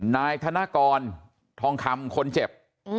นายธนกรทองคำคนเจ็บ